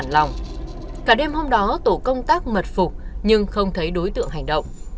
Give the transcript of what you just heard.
trong hôm đó tổ công tác mật phục nhưng không thấy đối tượng hành động